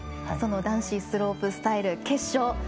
その男子スロープスタイル決勝。